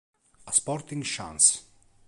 A Sporting Chance